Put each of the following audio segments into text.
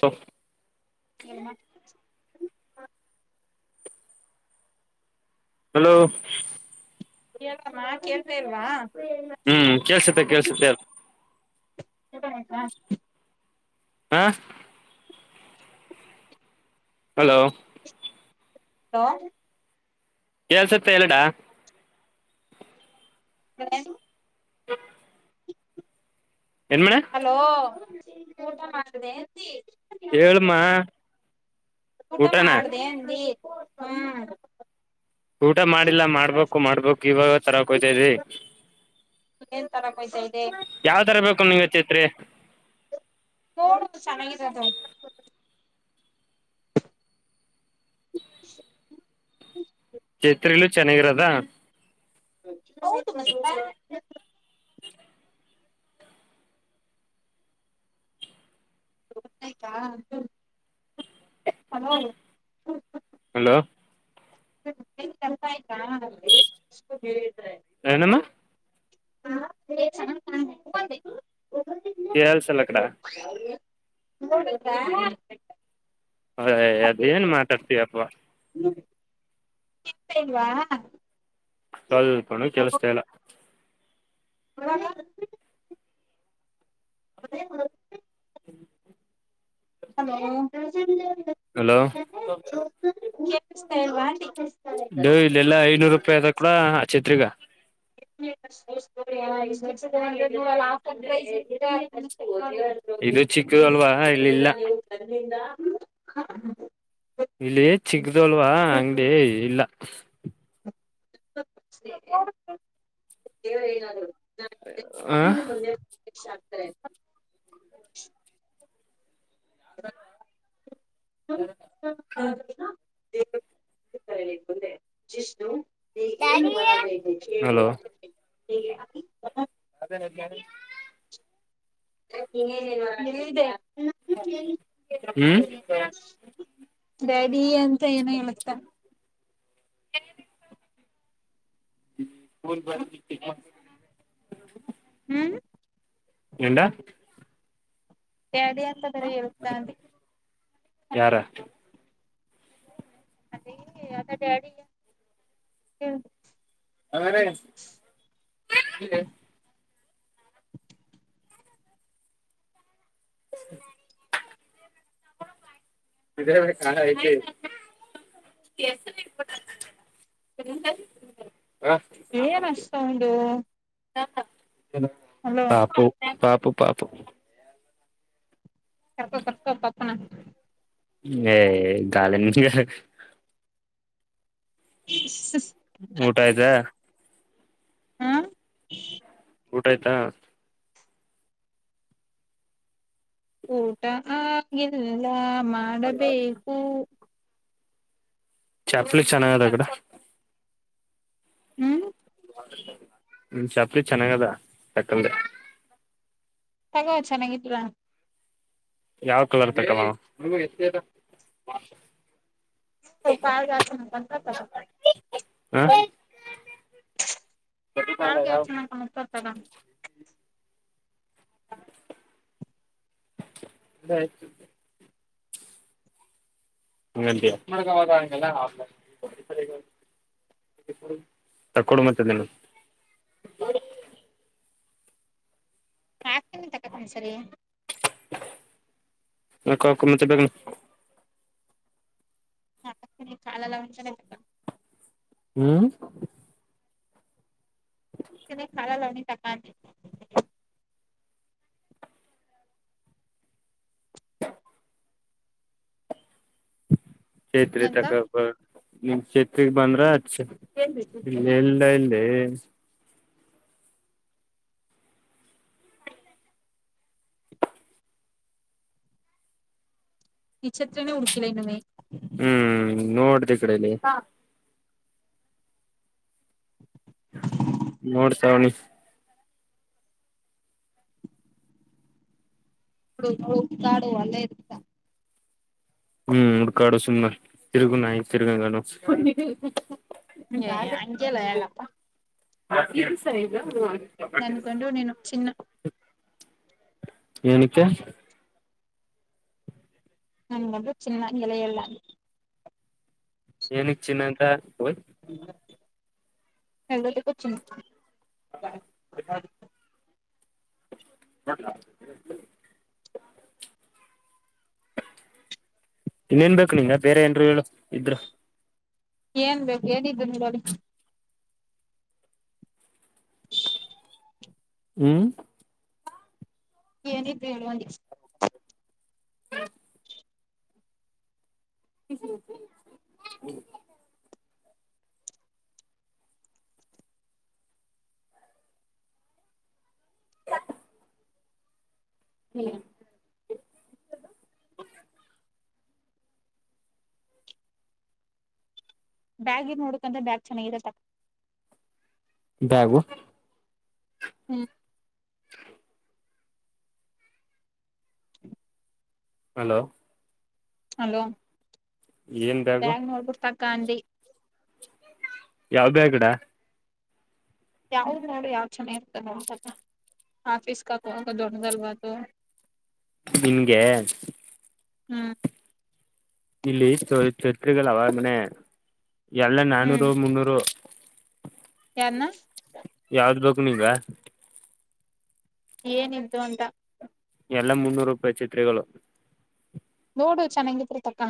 ಸಾಫ್ ಎ ಹಲೋ ಕೆಳಮ್ಮ ಕೇಳ್ತ ಇಲ್ವಾ ಹೂ ಕೇಳುತ್ತೆ ಕೇಳುತ್ತೆ ಹೇಳಿ ಎ ಆಯ್ತಾ ಹ ಹಲೋ ಹಲೋ ಕೇಳ್ಸುತ್ತೆ ಹೇಳಣ್ಣ ಬಳೆ ಹ ಹಲೋ ಊಟ ಮಾಡಂತ ಹೇಳಮ್ಮ ಊಟ ಊಟನ ಮಾಡ್ದ ಏನ್ ರಿ ಹೂ ಊಟ ಮಾಡಿಲ್ಲ ಮಾಡ್ಬೇಕು ಮಾಡ್ಬೇಕು ಇವಾಗ ತರ ಹೋಗ್ತಾ ಇದೀವಿ ಏನ್ ತರಕ್ ಹೋಯ್ತಾ ಇದೆ ಯಾವ್ ತರ ಬೇಕು ನಿಂಗ್ ಚೈತ್ರಿ ಕಡ ಚನ್ನಾಗಿ ಹ ಚೈತ್ರಲ್ಲೂ ಚೆನ್ನಾಗಿರದ ಹೌದು ಮತ್ತೆ ಹಲೋ ಹಲೋ ಕನ್ಯಕ ಸ್ಕೂಟಿ ಏನ ಅಮ್ಮ ಹಾ ಕಲ್ಸಲ್ಲ ಅಕಡ ಹ ಅಯ್ಯಯ್ಯೋ ಅದ ಏನು ಮಾತಾಡ್ತೀಯಪ್ಪ ಸಿಗ್ತಿಲ್ವಾ ಸ್ವಲ್ಪನೂ ಕೇಳ್ತಾ ಇಲ್ಲ ಹ ಅದು ಏನ್ ಹೂ ಹೂ ಹಲೋ ಕೇಳ್ತಾ ಇಲ್ವಾ ಇಲ್ಲೆಲ್ಲಾ ಐನೂರು ರೂಪಾಯಿ ಅದ ಕೂಡ ಆ ಛತ್ರಿಗ ಆಫ ಇದು ಚಿಕ್ಕದು ಅಲ್ವಾ ಇಲ್ಲಿ ಇಲ್ಲ ಅಲ್ಲಿಂದ ಇಲ್ಲಿ ಚಿಗ್ದ ಅಲ್ವಾ ಅಂಗಡಿ ಇಲ್ಲ ಹ ವಏ ಮುಂದೆ ಆಗ್ತಾರೆ ತರಲಿಂದೆ ವಿಷ್ಣು ಎಳ ಬನವ ಚ ಅಥ ಅದೇನಲ್ಲಿ ನೇನು ನಿದೆ ಹ್ಮ್ ಬಿಡಿ ಅಂತ ಏನ ಹೇಳುತ್ತ ಎ ಹ್ಮ ಬ ಹ್ಮ್ ಎಂದ ಕೆದಿ ಅಂತ ಬರ ಹೇತಾ ಅ ಯಾರ ಅದೇ ಅದ ಡ್ಯಾಡಿಯ ಅಂಗನೇ ಇ ಹ ಇದೇ ಹೇಗೆ ಎ ಏನ್ ಅಷ್ಟ ಸೌಂಡು ಪಾಪು ಪಾಪು ಪಾಪು ಸರ್ಕ ಸರ್ಕ ಪಪ್ಪನ ಏ ಗಾಲ ಸ ಊಟ ಆಯ್ತಾ ಹಾ ಊಟ ಆಯ್ತಾ ಊಟ ಆಗಿಲ್ಲ ಮಾಡಬೇಕು ಚಪ್ಲಿ ಚೆನ್ನಾಗಿದ ಅಕ್ಕಡ ಹ್ಮ್ ಹ್ಮ ಚಪ್ಲಿ ಚೆನ್ನಾಗದ ತಕ್ಕಂದ ತಗ ಚೆನ್ನಾಗಿದ್ರ ಯಾವ್ ಕಲರ್ ತಕ್ಕಲ್ಲ ಹ ಪಾಯಗತ ಕತ ಬ ಹ ಕಾಲ್ಗೆ ಯಾವ ಚೆನ್ನಾಗಿ ಕಾಣುತ್ತೆ ಅದು ತಗೋ ಹ ಬಯ ಹ ಮುಕ ತಕ್ಕಡ ಮತ್ತದಿಲ್ಲ ಹಾ ತಿನ ತಕಂ ಸರಿ ಕಕಮ್ಮ ಚಬೇಕೇ ಹ ಕಾಲಲ್ಲ ಚ ಹ್ಮ್ ಕಾಲಾ ಲಾವಿ ತಕಂತ ಚೇತ್ರಿ ನಂತ ತಗಬ ನಿಮ ಚೇತ್ಗ್ ಬಂದ್ರ ಅ ಇ ಎಲ್ಲ ಇ ಹೇ ನಿತ್ರನೇ ಹುಡುಕಿಲ್ಲ ಇನವೇ ಹ್ಮ್ ನೋಡ್ದ ಈ ಕಡೆಯಲ್ಲಿ ಹ ನೋಡ್ತಾವಣಿ ಉಗಾಡು ಅಲ್ಲೇ [unintelligible] ಹ್ಮ್ ಹುಡ್ಕಾಡು ಸುಮ್ಮನ ತಿರುಗು ನಾಯಿ ತಿರುಗಂಗು ಏ ಹಂಗೆಲ್ಲ ಹೇಳಪ್ಪಾ [unintelligible] ಇದು ಸರಿ ನನ್ಗೊಂಡು ನೀನು ಚಿನ್ನ ಏನಕ್ಕೆ ನಾನ ಬಗೆ ಚಿನ್ನ ಗೆಲೆಯಳ್ಳ ಏನಗ್ ಚಿನ್ನಂತ ಹಯ್ ಹ್ಮ [unintelligible] [unintelligible] ಹ ಇನ್ನೇನ್ಬೇಕೇಕು ನೀನ್ ಬೇರೆ ಏನ್ರು ಹೇಳು ಇದರು ಏನ್ ಬೇಕು ಏನಿದ್ದ ನಡ [unintelligible] ಹ್ಮ್ ಏನಿದೆ ಹೇಳು ಅಂದೆ ಹ ಹ್ಮ್ [unintelligible] ಬ್ಯಾಗ್ ಇರ್ ನೋಡಕಂದ್ರೆ ಬ್ಯಾಗ್ ಚೆನ್ನಾಗರತ್ತಕ್ಕ ಬ್ಯಾಗು ಹ್ಮ್ [unintelligible] ಹಲೋ ಹಲೋ ಏನ್ ಬ್ಯಾಗು ಬಂಗನೋರು ತಾಕ ಅಂದಿ ಯಾವಬ್ಯಾಗುಕಡ ಯಾವ ನೋಡು ಯಾವ ಚೆನ್ನ ಇರ್ತದೆ ಅಂತ ಆಫೀಸ್ ಅಕೋ ಹೋಗೋದು ದೊಡ್ಡಲ್ವಾದು ನಿನ್ಗೆ ಹ್ಮ್ ಇಲ್ಲಿ ಚ ಚಛತ್ರಿಗಳ ಅವಾಗ ಮನೆ ಎಲ್ಲ ನಾನೂರು ಮುನ್ನೂರು ಎನ್ನ ಯಾವ್ದ್ ಬೇಕು ನೀಗ ಏನು [unintelligible] ಎಲ್ಲ ಮುನ್ನೂರು ರೂಪಾಯಿ ಚಿತ್ರಗಳು ನೋಡು ಚೆನ್ನಾಗಿದರು ತಕ್ಕ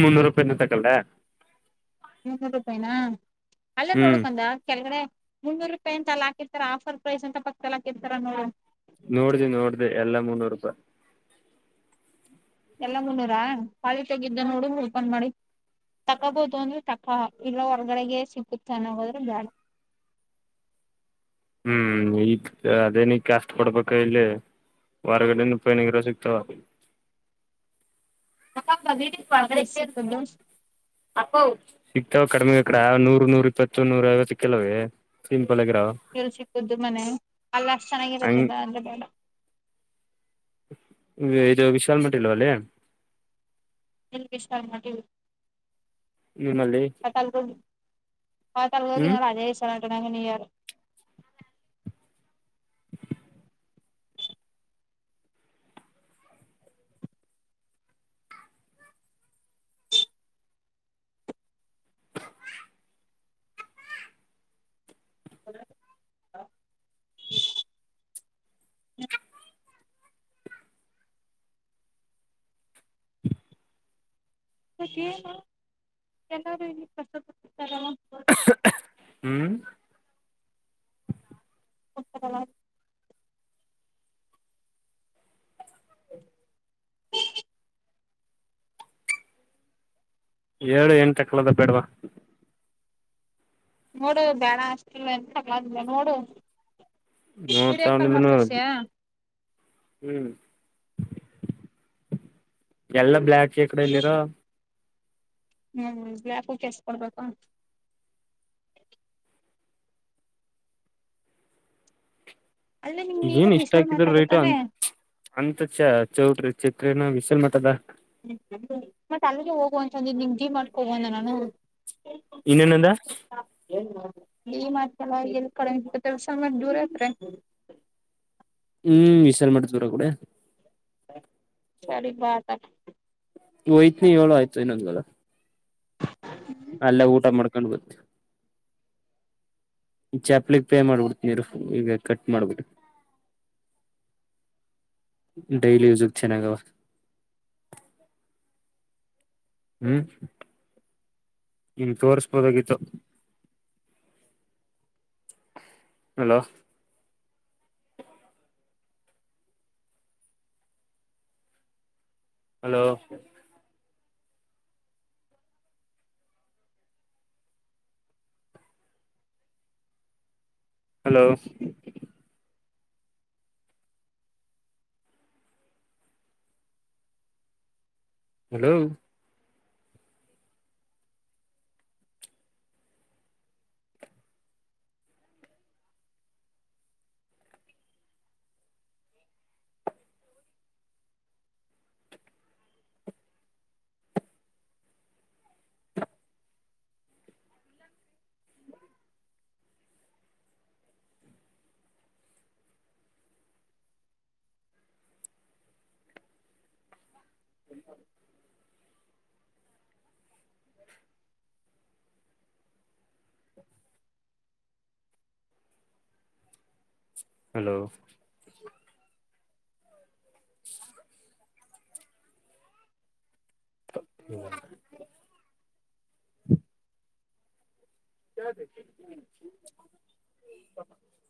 ಮುನ್ನೂರು ರೂಪಾಯಿನ ತಕಲ್ ಮುನೂರು ರೂಪಾಯಿನ ಅಲ್ಲ ಹ್ಮ್ ನೋಡಕ್ಂದ ಕೆಳಗಡೆ ಮುನ್ನೂ ರೂಪಾಯಿ ಅಲ್ಲ ಹಾಕೀರತರ ಆಫರ್ ಪ್ರೈಸ್ ಅಂತ ಪಕ್ ತಾಕಿರ್ತಾರ ನೋ ನೋಡ್ದ ನೋಡ್ದ ಎಲ್ಲಾ ಮುನ್ನೂರು ರೂಪಾಯಿ ಎಲ್ಲ ಮುನ್ನೂರ ಖಾಲಿ ತಗಿದ್ದ ನೋಡು ಉರ್ಪನ್ ಮಾಡಿ ತಕಬೋದು ಅಂದ್ರೆ ತಕ ಇಲ್ಲ ಹೊರ್ಗಡೆಗೆ ಸಿಗುತ್ತ ಅನ್ನ ಹೋದ್ರೆ ಬ್ಯಾಡ [unintelligible] ಹ್ಮ್ ಈ ಅದೇನ ಕಸ್ ಕೊಡ್ಬೇಕ ಇಲ್ಲಿ ವಾರಗಡೆ ಮುಪ್ಪೈನಗರ ಸಿಗ್ತಾವ [unintelligible] ಎಲ್ಲಿ ಸಿಕ್ಕುದು [unintelligible] ಅಕೋ ಸಿಗ್ತಾವ ಕಡಮೆ ಅಕಡ ನೂರ್ ನೂರ್ ಇಪ್ಪತ್ತು ನೂರ ಐವತ್ತಕ್ಕಲವ ತಿಳ್ ಸಿಕ್ಕುದ್ದು ಮನೆ ಅಲ್ಲ ಅಷ್ಟು ಚೆನ್ನಾಗಿರೋದಿಲ್ಲ ಹಂಗ ಅಂದ್ರೆ ಬೇಡ ಇದು ವಿಶಾಲ್ ಆನ್ ಬೀಟ್ಟ ಇಲ್ವಲ್ಲಿ [unintelligible] ನಿಮ್ಮಲ್ಲಿ ಹ ತಲು ಹ ತಲು ಹ್ಮ್ ರಾಜೇಶ್ವರ ಕ [unintelligible] [unintelligible] ಹ ಇವತ್ ಏನ ಎಲ್ಲಾರು ಇಲ್ಲಿ ಕಷ್ಟ ಪಟ್ಟಬಿಡ್ತಾರೆನ. ಹ್ಮ್ ಉತ್ತರ [unintelligible] ಹೇಳು ಏನ್ ತಕೊಳದ ಬೇಡ್ವ ನೋಡು ಬ್ಯಾಡ ಅಷ್ಟಲ್ಲ ಎಂತ ಹಗ್ಲದಿಲ್ಲ ನೋಡು ವಿಡಿಯೋ ಕಾಲ್ ಮಾಡಿ ನೋಡ್ತಗೊಂಡಿದನು ತೋರ್ಸಿಯಾ ಹ್ಮ್ ಎಲ್ಲ ಬ್ಲಾಕ್ ಚೇಕಡೆಯಲ್ಲಿರಾ [unintelligible] ಹ್ಮ್ ಯಾಕು ಕೆಸ ಕೊಡ್ಬೇಕಾ [unintelligible] ಅಲ್ಲೇ ನಿಮ್ ಏನ್ ನೀರ್ ಇಷ್ಟ್ ವಿಶಾಲ್ ಆಕಿದ್ರ ರೇಟ್ ಮಾತಾಡತಾನೆ ಅಂತ ಅಂತ ಚ ಚೌಟ್ರಿ ಚಿ ಸೆನ ಬಿಸಲ್ ಮತದ [unintelligible] ಮತ್ತ ಅಲ್ಲಿಗೆ ಹೋಗು ಅಂತದ್ದು ನಿಮ ಜೀ ಮಾಡ್ಕೋಣ ನಾನು ಇಲ್ ಎಲ್ಲಿಂದ ಈಲ್ಲ ಎ ಕಸ ದೂರ ತ್ [unintelligible] ಹ್ಮ್ ವಿಶಾಲ್ ಮ ದೂರ ಕೂಡ ಸರಿ ಬ್ರಾ ಹಾಕೋಣ ಎಯ್ತನ ಹೇಳು ಆಯ್ತು ಇನ್ನೊಂದ್ಗಳ ಅಲ್ಲ ಊಟ ಮಾಡ್ಕೊಂಡ್ ಬತ್ತವಿ ಚಪ್ಲಿಗ್ ಪೇ ಮಾಡ್ಬಿಡ್ತೀರು ಈಗ ಕಟ್ ಮಾಡ್ ಬಿಡು ಡೈಲಿ ಯೂಜ್ ಚೆನ್ನಾಗವ ಹ್ಮ್ ನಿನಗ್ ತೋರಸಬಹುದಾಗಿತ್ತು. ಹಲೋ ಹಲೋ ಹಲೋ ಹಲೋ [unintelligible] ಹ [unintelligible] ಹಲೋ ಹ [unintelligible] ಹ್ಮ [unintelligible] ಕ [unintelligible]